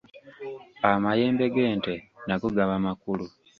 Amayembe g’ente nago gaba makalu.